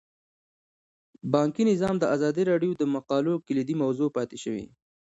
بانکي نظام د ازادي راډیو د مقالو کلیدي موضوع پاتې شوی.